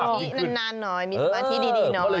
สมาธินั้นนานหน่อยมีสมาธิดีหน่อย